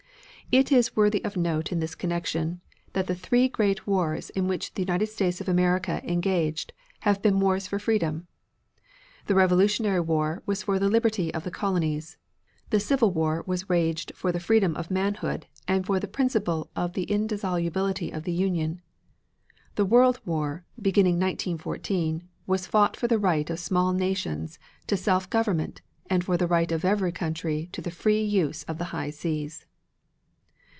It is worthy of note in this connection that the three great wars in which the United States of America engaged have been wars for freedom. The Revolutionary War was for the liberty of the colonies; the Civil War was waged for the freedom of manhood and for the principle of the indissolubility of the Union; the World War, beginning 1914, was fought for the right of small nations to self government and for the right of every country to the free use of the high seas.